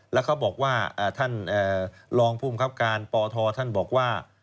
แล้วเขาบอกว่าท่านรองภูมิครับการปทท่านบอกว่า